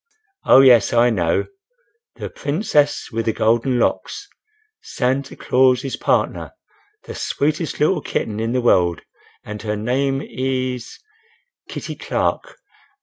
"Oh! yes, I know—the Princess with the Golden Locks, Santa Claus's Partner—the sweetest little kitten in the world, and her name is—Kitty Clark."